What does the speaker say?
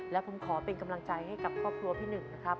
และผมขอเป็นกำลังใจให้กับครอบครัวพี่หนึ่งนะครับ